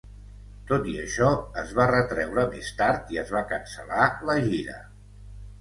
Tot i això, es va retreure més tard i es va cancel·lar la gira.